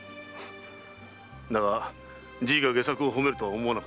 だがじいが戯作を褒めるとは思わなかったぞ。